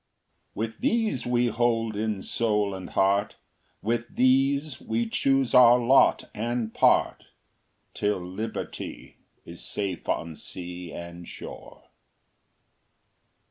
With these we hold in soul and heart, With these we choose our lot and part, Till Liberty is safe on sea and shore.